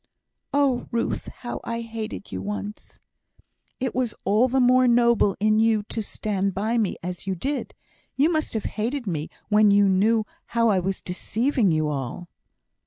"Oh, Ruth, how I hated you once!" "It was all the more noble in you to stand by me as you did. You must have hated me when you knew how I was deceiving you all!"